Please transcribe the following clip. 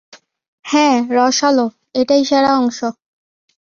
হ্যাঁ, রসালো, এটাই সেরা অংশ।